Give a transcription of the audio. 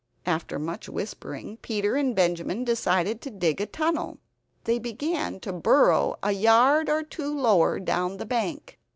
After much whispering, Peter and Benjamin decided to dig a tunnel. They began to burrow a yard or two lower down the bank.